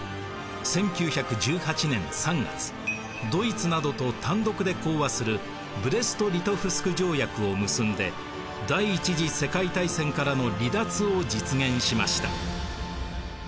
１９１８年３月ドイツなどと単独で講和するブレスト・リトフスク条約を結んで第一次世界大戦からの離脱を実現しました。